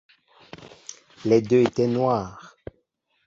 Les deux étaient noirs.